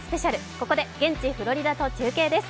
ここで現地フロリダと中継です。